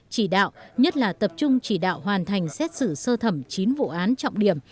chỉ đạo nhất là tập trung chỉ đạo hoàn thành xét xử sơ thẩm chín vụ án trọng điểm